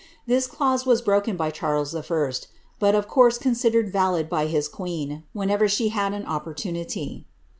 This clause was broken by Charles 1., but of course considered valid by his queen, whenever she had an opportunity.